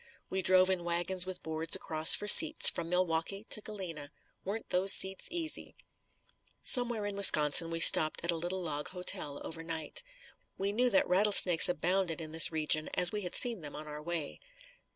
We drove in wagons with boards across for seats from Milwaukee to Galena. Weren't those seats easy! Somewhere in Wisconsin we stopped at a little log hotel over night. We knew that rattlesnakes abounded in this region as we had seen them on our way.